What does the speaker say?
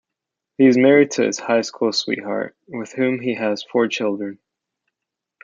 He is married to his high school sweetheart, with whom he has four children.